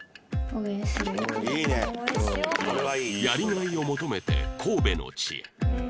やりがいを求めて神戸の地へ